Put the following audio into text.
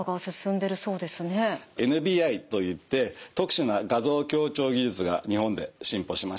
ＮＢＩといって特殊な画像強調技術が日本で進歩しました。